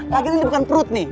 lagi ini bukan perut nih